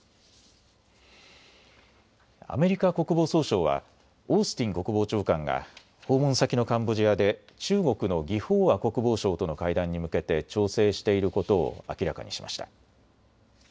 アメリカ国防総省はオースティン国防長官が訪問先のカンボジアで中国の魏鳳和国防相との会談に向けて調整していることを明らかにしました。